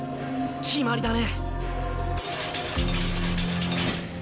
決まりだね。